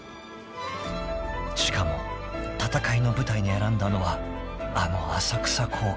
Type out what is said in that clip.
［しかも戦いの舞台に選んだのはあの］